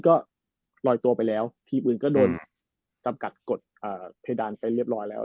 ก็ลอยตัวไปแล้วทีมอื่นก็โดนจำกัดกดเพดานไปเรียบร้อยแล้ว